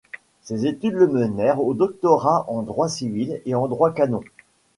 Ses études le menèrent aux doctorats en droit civil et en droit canon.